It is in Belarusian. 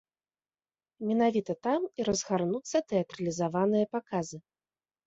Менавіта там і разгарнуцца тэатралізаваныя паказы.